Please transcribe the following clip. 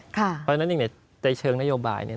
เพราะฉะนั้นเนี่ยในใจเชิงนโยบายเนี่ย